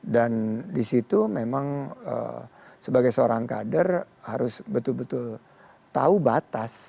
dan di situ memang sebagai seorang kader harus betul betul tahu batas